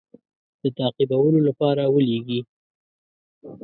د تعقیبولو لپاره ولېږي.